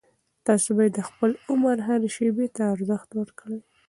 تاسو باید د خپل عمر هرې شېبې ته ارزښت ورکړئ.